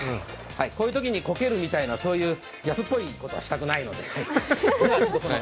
こういうときにコケるみたいな安っぽいことはしたくないので。